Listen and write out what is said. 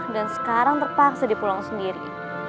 dan sekarang terpaksa dipulang sendiri